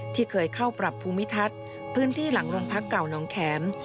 ที่เคยเข้าปรับภูมิทัศน์พื้นที่หลังโรงพักเก่าน้องแข็ม